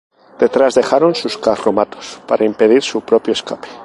Detrás dejaron sus carromatos para impedir su propio escape.